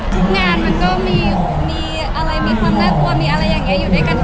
ทุกงานมันก็มีอะไรมีความแรกกลัวอยู่ด้วยกัน